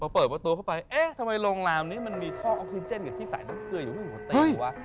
พอเปิดประตูเข้าไปเอ๊ะทำไมโรงราวนี้มันมีท่อออกซิเจนกับที่สายน้ำเกลืออยู่ทั้งหมดเต็มหรือเปล่า